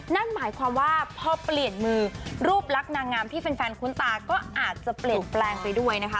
นั่นหมายความว่าพอเปลี่ยนมือรูปลักษณ์นางงามที่แฟนคุ้นตาก็อาจจะเปลี่ยนแปลงไปด้วยนะคะ